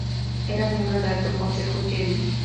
Era miembro del Alto Consejo Jedi.